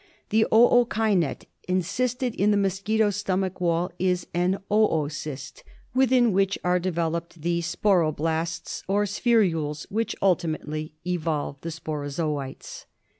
The ookinet encysted in the mosquito's stomach wall is an Oocyst, within which are developed the Sporoblasts or spherules which ultimately evolve the Sporozoites.